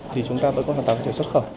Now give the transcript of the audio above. thì chúng ta mới có hoàn toàn có thể xuất khẩu